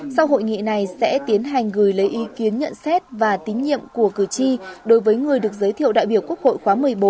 sau hội nghị này sẽ tiến hành gửi lấy ý kiến nhận xét và tín nhiệm của cử tri đối với người được giới thiệu đại biểu quốc hội khóa một mươi bốn